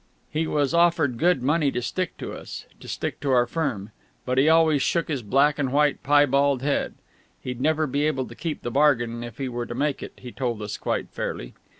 He was offered good money to stick to us to stick to our firm but he always shook his black and white piebald head. He'd never be able to keep the bargain if he were to make it, he told us quite fairly.